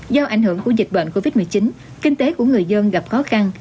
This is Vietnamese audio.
do ảnh hưởng của dịch bệnh covid một mươi chín kinh tế của người dân gặp khó khăn